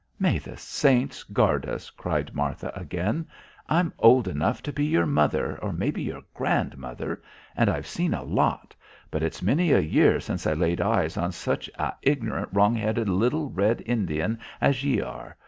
"May the saints guard us!" cried Martha again. "I'm old enough to be your mother, or maybe, your grandmother, and I've seen a lot; but it's many a year since I laid eyes on such a ign'rant and wrong headed little, red Indian as ye are!